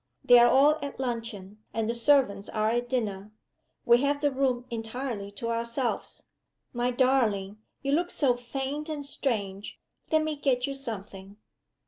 They are all at luncheon, and the servants are at dinner. We have the room entirely to ourselves. My darling! you look so faint and strange! Let me get you something."